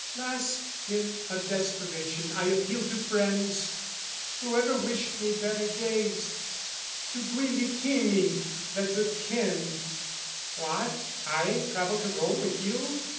Last, in a desperation I appealed To friends, whoever wished me better days, To Guillichini, that's of kin, "What, I "Travel to Rome with you?